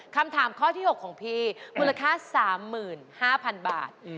คำถามข้อที่๖ของพี่มูลค่า๓๕๐๐๐บาท